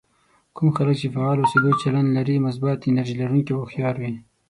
کوم خلک چې فعال اوسېدو چلند لري مثبت، انرژي لرونکي او هوښيار وي.